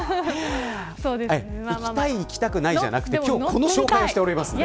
行きたい、行きたくないじゃなくてこの紹介をしてます。